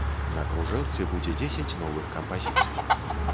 На кружэлцы будзе дзесяць новых кампазіцый.